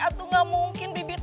aduh gak mungkin bibi